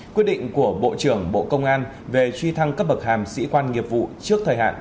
quyết định của bộ trưởng bộ công an về truy thăng cấp bậc hàm sĩ quan nghiệp vụ trước thời hạn